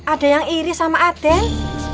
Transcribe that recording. ada yang iri sama aden